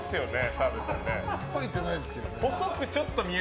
澤部さん。